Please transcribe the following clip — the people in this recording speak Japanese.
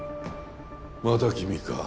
また君か。